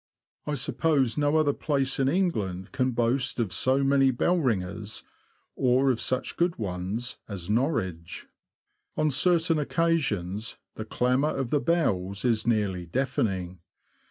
I sup pose no other place in England can boast of so many bellringers, or of such good ones, as Norwich. On certain occasions the clamour of the bells is nearly deafening.